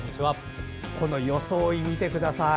この装い、見てください。